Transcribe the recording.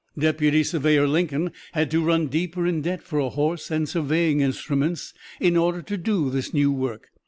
Deputy Surveyor Lincoln had to run deeper in debt for a horse and surveying instruments in order to do this new work.